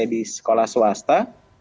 saya di sekolah swasta